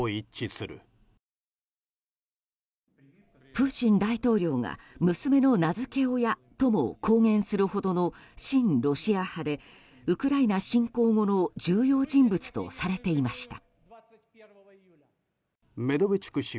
プーチン大統領が娘の名付け親とも公言するほどの親ロシア派でウクライナ侵攻後の重要人物とされていました。